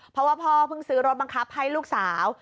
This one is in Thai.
เพราะว่าพ่อเพิ่งซื้อรถบังคับให้ลูกสาว